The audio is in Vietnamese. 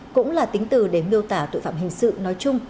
cũng là tính từ để miêu tả tội phạm hình sự nói chung